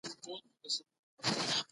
د نړیوالي محکمې پریکړو ته پام نه اړول کیږي.